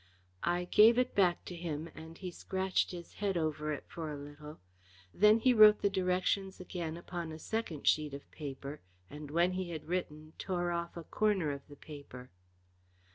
I gave it back to him and he scratched his head over it for a little. Then he wrote the directions again upon a second sheet of paper, and when he had written, tore off a corner of the paper.